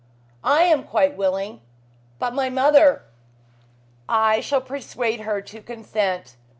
"I am quite willing. But my mother?" "I shall persuade her to consent."